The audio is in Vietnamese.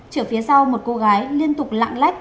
chở phía sau một cô gái liên tục lạng lách